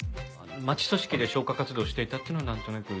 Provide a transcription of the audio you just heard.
町組織で消火活動をしていたっていうのはなんとなく。